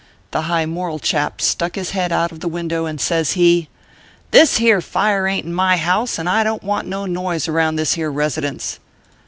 The high moral chap stuck his head out of the win dow, and says he :" This here fire ain t in my house, and I don t want no noise around this here residence."